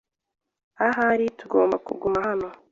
Ahari tugomba kuguma hano.